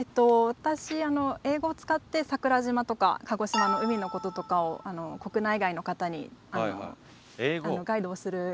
私あの英語を使って桜島とか鹿児島の海のこととかを国内外の方にガイドをする活動をしてるんですけれども。